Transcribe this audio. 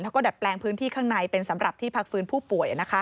แล้วก็ดัดแปลงพื้นที่ข้างในเป็นสำหรับที่พักฟื้นผู้ป่วย